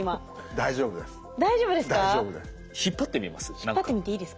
大丈夫です。